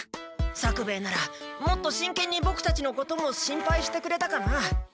作兵衛ならもっとしんけんにボクたちのことも心配してくれたかな？